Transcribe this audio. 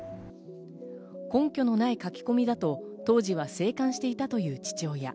根拠のない書き込みだと当時は静観していたという父親。